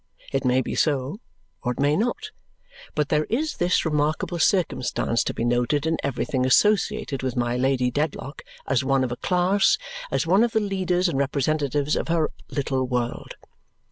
It may be so, or it may not, but there is this remarkable circumstance to be noted in everything associated with my Lady Dedlock as one of a class as one of the leaders and representatives of her little world.